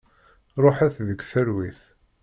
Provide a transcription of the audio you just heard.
Ruḥet deg talwit.